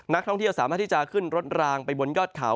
นักท่องเที่ยวสามารถที่จะขึ้นรถรางไปบนยอดเขา